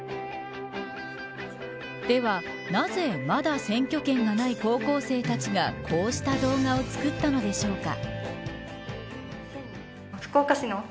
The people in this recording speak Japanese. では、なぜまだ選挙権がない高校生たちがこうした動画を作ったのでしょうか。